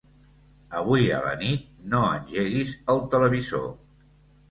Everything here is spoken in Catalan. Avui a la nit no engeguis el televisor.